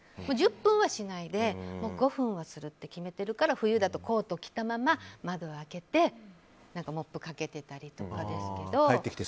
１０分はしないで、５分はすると決めてるから冬だとコート着たまま窓開けてモップかけてたりとかですけど。